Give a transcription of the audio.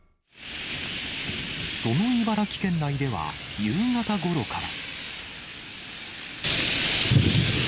その茨城県内では夕方ごろから。